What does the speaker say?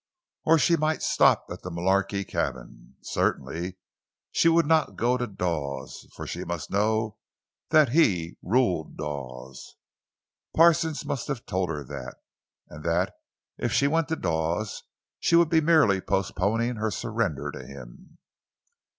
Or she might stop at the Mullarky cabin. Certainly she would not go to Dawes, for she must know that he ruled Dawes—Parsons must have told her that—and that if she went to Dawes, she would be merely postponing her surrender to him.